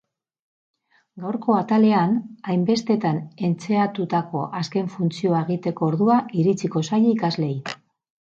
Gaurko atalean, hainbestetan entseatutako azken funtzioa egiteko ordua iritsiko zaie ikasleei.